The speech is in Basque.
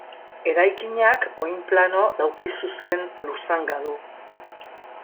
Eraikinak oinplano laukizuzen luzanga du.